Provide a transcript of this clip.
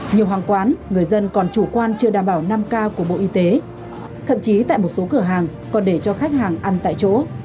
nhiều hàng quán người dân còn chủ quan chưa đảm bảo năm k của bộ y tế thậm chí tại một số cửa hàng còn để cho khách hàng ăn tại chỗ